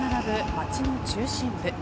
町の中心部。